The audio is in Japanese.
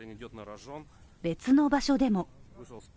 別の場所でも。